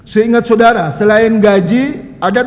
seingat sudara selain gaji ada tidak uang uang lain yang